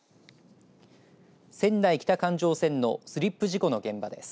仙台北環状線のスリップ事故の現場です。